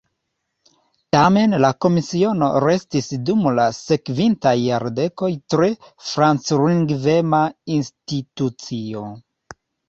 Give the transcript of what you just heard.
Tamen la Komisiono restis dum la sekvintaj jardekoj tre franclingvema institucio.